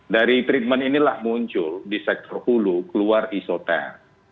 dari treatment inilah muncul di sektor hulu keluar isoter